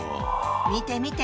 見て見て！